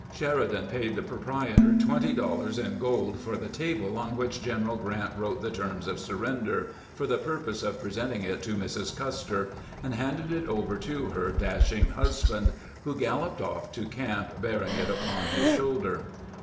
Sheridan paid the proprietor twenty dollars in gold for the table on which General Grant "wrote the terms of surrender, for the purpose of pre senting it to Mrs. Custer, and handed it over to her dashing husband, who galloped off to camp bearing it upon his shoulder.